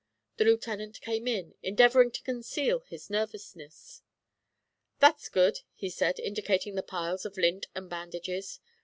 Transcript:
The Lieutenant came in, endeavouring to conceal his nervousness. "That's good," he said, indicating the piles of lint and bandages.